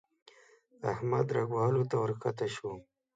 احمد رګ وهلو ته ورکښته شو.